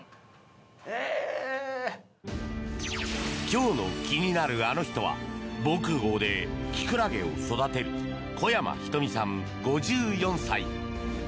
今日の気になるアノ人は防空壕でキクラゲを育てる小山仁美さん、５４歳。